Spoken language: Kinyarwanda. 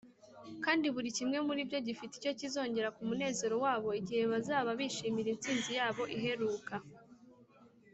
kandi buri kimwe muri byo gifite icyo kizongera ku munezero wabo igihe bazaba bishimira intsinzi yabo iheruka